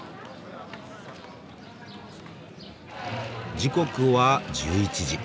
時刻は１１時。